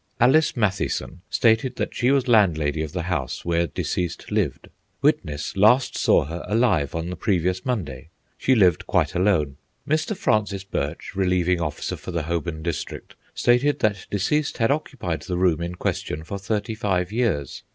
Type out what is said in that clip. Alice Mathieson stated that she was landlady of the house where deceased lived. Witness last saw her alive on the previous Monday. She lived quite alone. Mr. Francis Birch, relieving officer for the Holborn district, stated that deceased had occupied the room in question for thirty five years.